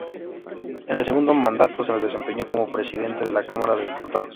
En el segundo mandato se desempeñó como Presidente de la Cámara de Diputados.